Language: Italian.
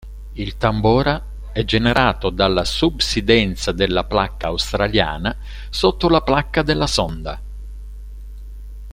Il Tambora è generato dalla subsidenza della Placca australiana sotto la Placca della Sonda.